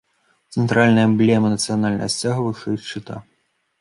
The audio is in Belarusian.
Цэнтральная эмблема нацыянальнага сцяга вышэй шчыта.